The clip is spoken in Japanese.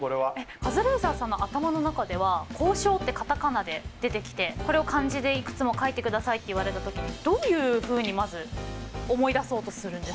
カズレーザーさんの頭の中では「コウショウ」ってカタカナで出てきてこれを漢字でいくつも書いてくださいって言われた時にどういうふうにまず思い出そうとするんですか？